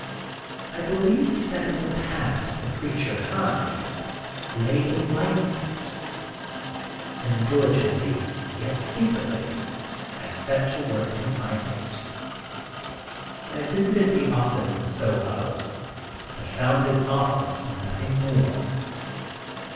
I believed that in the past of the creature Hyde lay enlighten ment ; and diligently, yet secretly, I set to work to find it. I visited the office in Soho, but found an office, and nothing more.